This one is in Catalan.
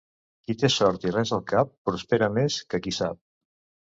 Qui té sort i res al cap, prospera més que qui sap.